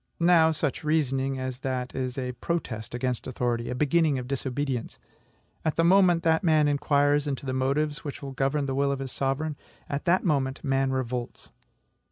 Now, such reasoning as that is a protest against authority, a beginning of disobedience. At the moment that man inquires into the motives which govern the will of his sovereign, at that moment man revolts.